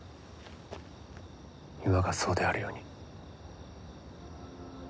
今がそうであるように。